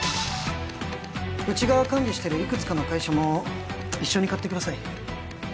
うちが管理してるいくつかの会社も一緒に買ってください